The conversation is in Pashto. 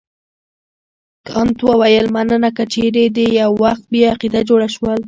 کانت وویل مننه که چیرې دې یو وخت بیا عقیده جوړه شول.